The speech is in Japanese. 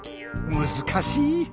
難しい。